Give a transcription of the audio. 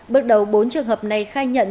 bước đầu bốn trường hợp này khai nhận